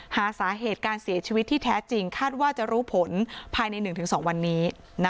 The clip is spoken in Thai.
หาสาเหตุการเสียชีวิตที่แท้จริงคาดว่าจะรู้ผลภายใน๑๒วันนี้